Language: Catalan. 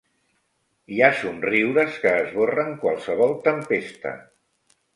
Hi ha somriures que esborren qualsevol tempesta.